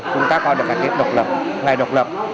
chúng ta có được cái tết độc lập ngày độc lập